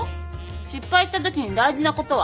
失敗したときに大事なことは？